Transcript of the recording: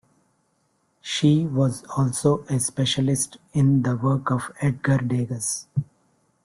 She was also a specialist in the work of Edgar Degas.